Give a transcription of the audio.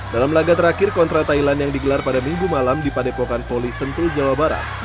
dalam laga terakhir kontra thailand yang digelar pada minggu malam di padepokan voli sentul jawa barat